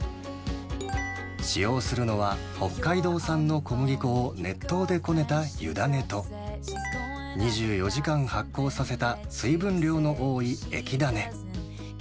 使用するのは、北海道産の小麦粉を熱湯でこねた湯種と２４時間発酵させた水分量の多い液種。